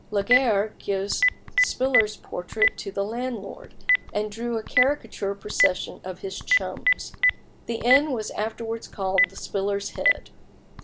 Laguerre gave Spiller's portrait to the landlord, and drew a caricature procession of his "chums." The inn was afterwards called the "Spiller's Head."